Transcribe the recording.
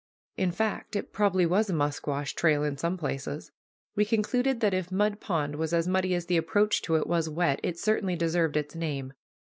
In fact, it probably was a musquash trail in some places. We concluded that if Mud Pond was as muddy as the approach to it was wet, it certainly deserved its name.